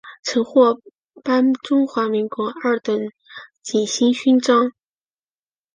曾获颁中华民国二等景星勋章。